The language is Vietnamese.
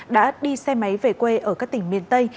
đã đi xe máy về quê ở các tỉnh miền tây